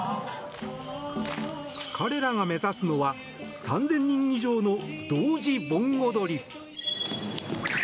彼らが目指すのは３０００人以上の同時盆踊り。